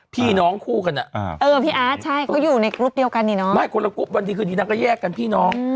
พี่โอนแล้วก็จะมี